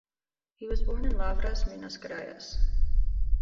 He was born in Lavras, Minas Gerais.